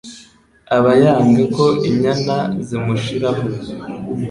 aba yanga ko inyana zimushiraho